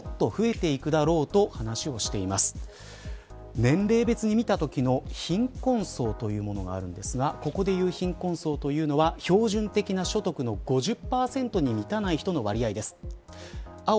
年齢別に見たときの貧困層というものがあるんですがここでいう貧困層というのは標準的な所得の５０％に満たない人の割合です。